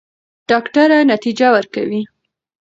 ډاکټره نتیجه ورکوي.